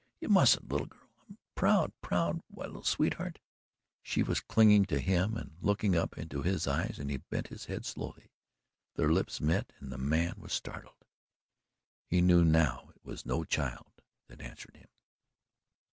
"You mustn't, little girl. I'm proud proud why little sweetheart " She was clinging to him and looking up into his eyes and he bent his head slowly. Their lips met and the man was startled. He knew now it was no child that answered him.